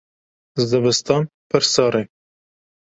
Zivistan pir sar e.